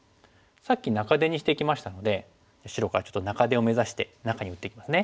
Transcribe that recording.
さっき中手にしていきましたので白からちょっと中手を目指して中に打っていきますね。